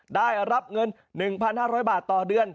ได้รับเงิน๑๕๐๐บาทต่อเดือน